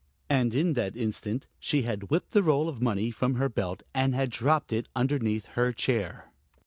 And in that instant she had whipped the roll of money from her belt, and had dropped it underneath her chair.